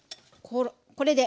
これで。